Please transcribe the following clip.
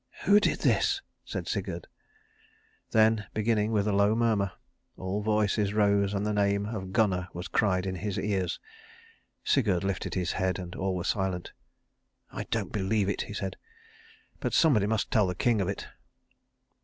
"Who did this?" said Sigurd. Then, beginning with a low murmur, all voices rose and the name of Gunnar was cried in his ears. Sigurd lifted his head, and all were silent. "I don't believe it," he said, "but somebody must tell the king of it."